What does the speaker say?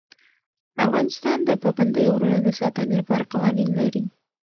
افغانستان د پابندی غرونه د ساتنې لپاره قوانین لري.